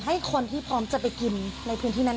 ให้คนที่พร้อมจะไปกินในพื้นที่นั้น